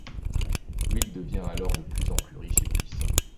Will devient alors de plus en plus riche et puissant.